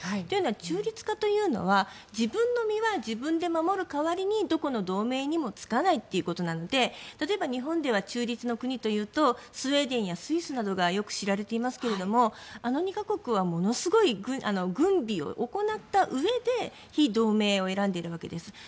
というのは中立化というのは自分の身は自分で守る代わりにどこの同盟にもつかないということなので例えば日本では中立の国というとスウェーデンやスイスなどがよく知られていますけどあの２か国はものすごい軍備を行ったうえで非同盟を選んでいるわけです。